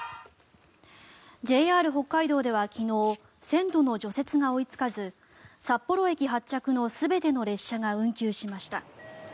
ＪＲ北海道では昨日、線路の除雪が追いつかず札幌駅発着の全ての列車が運休しました。